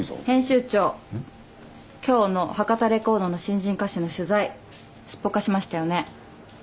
編集長今日の博多レコードの新人歌手の取材すっぽかしましたよね。